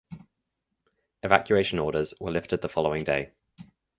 Evacuation orders were lifted the following day.